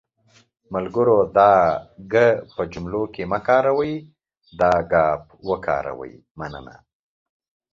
ملګرو دا گ په جملو کې مه کاروٸ، دا ګ وکاروٸ.مننه